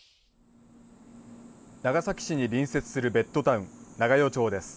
長崎市に隣接するベッドタウン、長与町です。